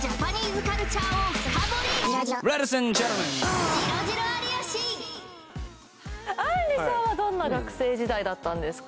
土曜深夜にあんりさんはどんな学生時代だったんですか？